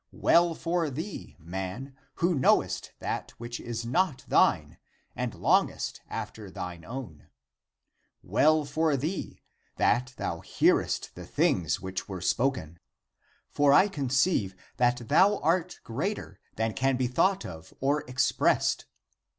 W'ell for thee, man, who knowest that which is not thine and longest after thine own ! Well for thee, that thou hearest the things which were spoken ! For I conceive that thou art greater than can be thought of or expressed.